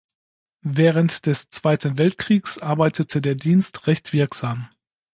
Während des Zweiten Weltkriegs arbeitete der Dienst recht wirksam.